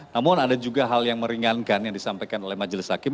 namun ada juga hal yang meringankan yang disampaikan oleh majelis hakim